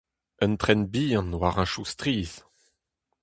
Un tren bihan war hentoù strizh.